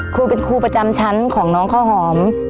ครูเป็นครูประจำชั้นของน้องข้าวหอม